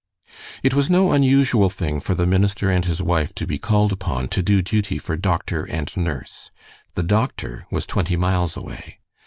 It was no unusual thing for the minister and his wife to be called upon to do duty for doctor and nurse. The doctor was twenty miles away.